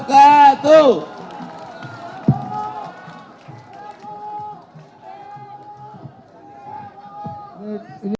assalamualaikum warahmatullahi wabarakatuh